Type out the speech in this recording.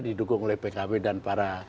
didukung oleh pkb dan para